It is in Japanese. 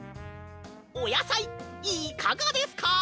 おやさいいかがですか？